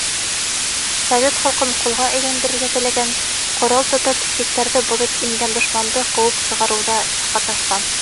Совет халҡын ҡолға әйләндерергә теләгән, ҡорал тотоп, сиктәрҙе боҙоп ингән дошманды ҡыуып сығарыуҙа ҡатнашҡан.